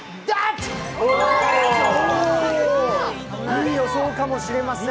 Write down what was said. いい予想かもしれません。